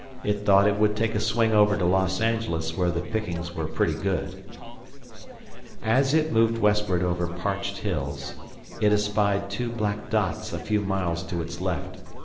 It thought it would take a swing over to Los Angeles, where the pickings were pretty good. As it moved westward over parched hills, it espied two black dots a few miles to its left.